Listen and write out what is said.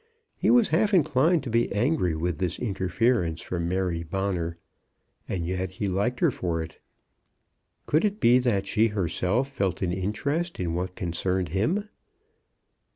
He was half inclined to be angry with this interference from Mary Bonner; and yet he liked her for it. Could it be that she herself felt an interest in what concerned him?